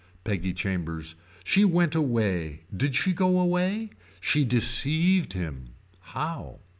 Peggy Chambers. She went away. Did she go away. She deceived him. How.